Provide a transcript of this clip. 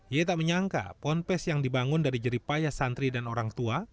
ia tak menyangka ponpes yang dibangun dari jeripaya santri dan orang tua